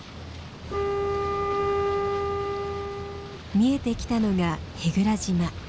見えてきたのが舳倉島。